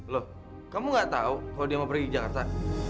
loh kamu gak tahu kalau dia mau pergi ke jakarta